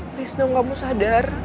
please dong kamu sadar